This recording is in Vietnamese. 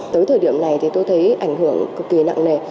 tới thời điểm này thì tôi thấy ảnh hưởng cực kỳ nặng nề